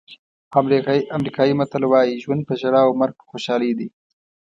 امریکایي متل وایي ژوند په ژړا او مرګ په خوشحالۍ دی.